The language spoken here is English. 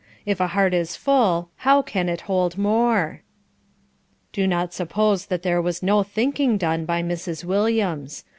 If a heart is full how can it hold more? Do not suppose that there was no thinking done by Mrs. Williams.